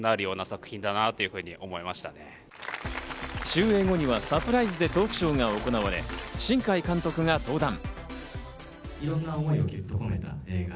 終映後にはサプライズでトークショーが行われ、新海監督が登壇。